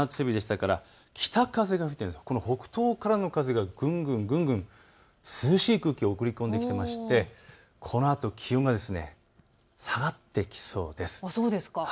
北風が吹いて北東からの風がぐんぐんぐんぐん涼しい空気を送り込んできてましてこのあと気温が下がってきそうです。